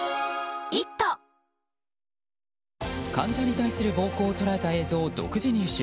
患者に対する暴行を捉えた映像を独自入手。